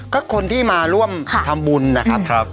ก็คนที่มาร่วมทำบุญนะครับ